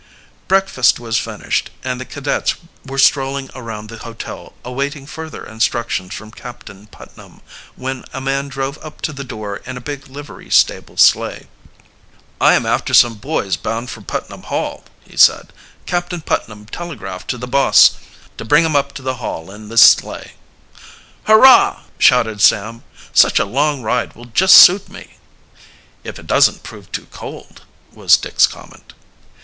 Breakfast was finished, and the cadets were strolling around the hotel awaiting further instructions from Captain Putnam, when a man drove up to the door in a big livery stable sleigh. "I am after some boys bound for Putnam Hall," he said. "Captain Putnam telegraphed to the boss to bring 'em up to the Hall in this sleigh." "Hurrah!" shouted Sam. "Such a long ride will just suit me!" "If it doesn't prove too cold," was Dick's comment.